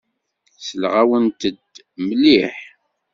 Selleɣ-awent-d mliḥ.